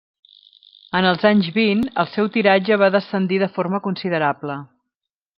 En els anys vint el seu tiratge va descendir de forma considerable.